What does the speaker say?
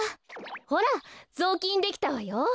ほらぞうきんできたわよ。